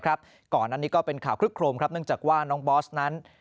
ก่อนอันนี้ก็เป็นข่าวคลึกโครมครับเนื่องจากว่าน้องบอสนั้น